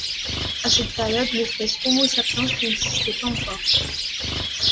À cette période, l'espèce Homo sapiens n'existait pas encore.